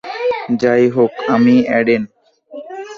যাই হোক, আমি এডেন।